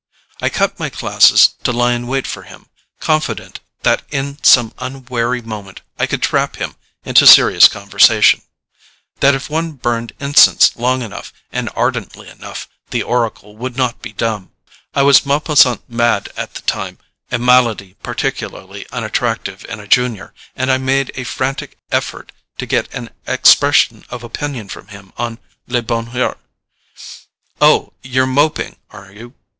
I cut my classes to lie in wait for him, confident that in some unwary moment I could trap him into serious conversation, that if one burned incense long enough and ardently enough, the oracle would not be dumb. I was Maupassant mad at the time, a malady particularly unattractive in a Junior, and I made a frantic effort to get an expression of opinion from him on "Le Bonheur." "Oh, you're Moping, are you?"